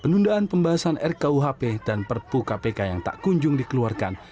penundaan pembahasan rkuhp dan perpu kpk yang tak kunjung dikeluarkan